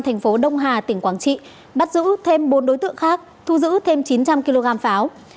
thành phố đông hà tỉnh quảng trị bắt giữ thêm bốn đối tượng khác thu giữ thêm chín trăm linh kg pháo